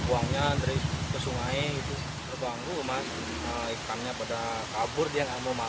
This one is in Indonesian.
buangnya dari ke sungai itu banggu emang ikannya pada kabur dia nggak mau makan